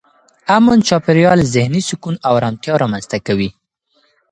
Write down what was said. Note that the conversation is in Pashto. امن چاپېریال ذهني سکون او ارامتیا رامنځته کوي.